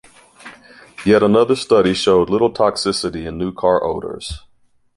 Yet another study showed little toxicity in new car odors.